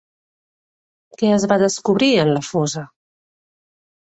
Què es va descobrir en la fosa?